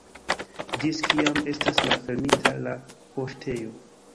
Ĝis kiam estas malfermita la poŝtejo?